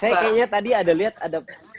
saya kayaknya tadi ada lihat ada